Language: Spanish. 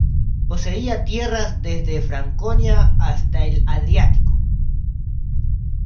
Poseía tierras desde Franconia hasta el Adriático.